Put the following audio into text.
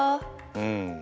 うん。